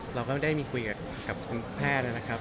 เราก็ได้มีคุยกับคุณแพทย์นะครับ